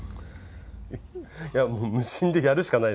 いやもう無心でやるしかないですね